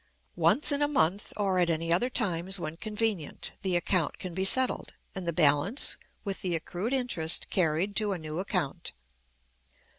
Once in a month, or at any other times when convenient, the account can be settled, and the balance, with the accrued interest, carried to a new account.